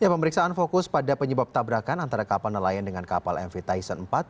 pemeriksaan fokus pada penyebab tabrakan antara kapal nelayan dengan kapal mvtation empat